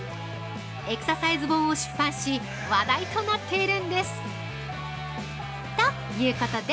エクササイズ本を出版し話題となっているんです。